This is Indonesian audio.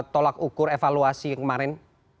tolak ukur evaluasi kemarin